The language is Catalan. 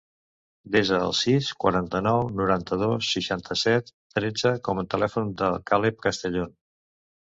Desa el sis, quaranta-nou, noranta-dos, seixanta-set, tretze com a telèfon del Caleb Castellon.